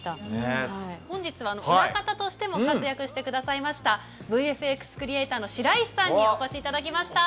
本日は裏方としても活躍してくださいましたＶＦＸクリエーターの白石さんにお越しいただきました。